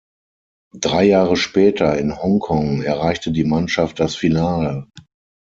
Drei Jahre später in Hongkong erreichte die Mannschaft das Finale.